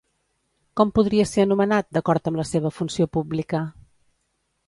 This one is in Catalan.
Com podria ser anomenat, d'acord amb la seva funció pública?